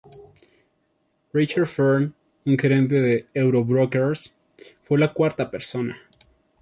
Richard Fern, un gerente de Euro Brokers, fue la cuarta persona.